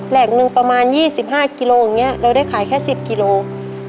แหล่งหนึ่งประมาณ๒๕กิโลอย่างนี้เราได้ขายแค่๑๐กิโลกรัม